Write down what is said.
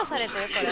これ。